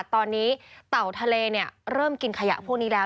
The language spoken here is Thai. ตอนนี้เต่าทะเลเริ่มกินขยะพวกนี้แล้ว